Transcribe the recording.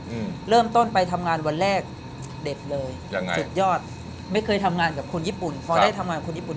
อืมเริ่มต้นไปทำงานวันแรกเด็ดเลยยังไงสุดยอดไม่เคยทำงานกับคนญี่ปุ่นพอได้ทำงานคนญี่ปุ่น